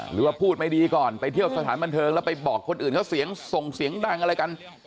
หรือว่าพูดไม่ดีก่อนไปเที่ยวสถานบันเทิงแล้วไปบอกคนอื่นเขาเสียงส่งเสียงดังอะไรกัน